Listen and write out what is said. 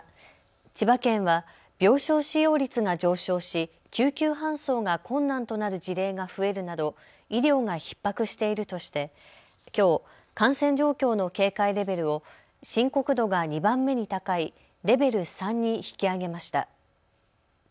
千葉県は病床使用率が上昇し救急搬送が困難となる事例が増えるなど医療がひっ迫しているとしてきょう感染状況の警戒レベルを深刻度が２番目に高いレベル３に引き上げました。